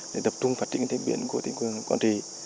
để tập trung phát triển kinh tế biển của tỉnh quân quản trị